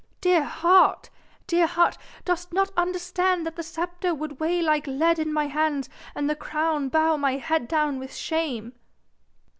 Dear heart! dear heart! dost not understand that the sceptre would weigh like lead in my hands and the crown bow my head down with shame?"